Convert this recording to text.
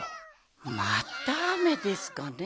またあめですかねぇ。